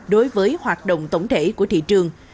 đối với hoạt động tổng thể của thị trường